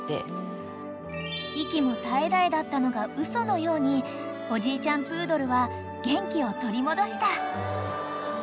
［息も絶え絶えだったのが嘘のようにおじいちゃんプードルは元気を取り戻した］